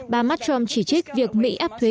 bà mastrom chỉ trích việc mỹ áp thuế